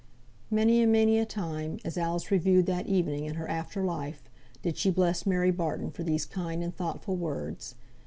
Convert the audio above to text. Many and many a time, as Alice reviewed that evening in her after life, did she bless Mary Barton for these kind and thoughtful words.